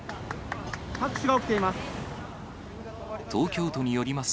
拍手が起きています。